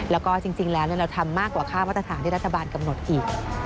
แล้วก็จริงแล้วเราทำมากกว่าค่ามาตรฐานที่รัฐบาลกำหนดอีก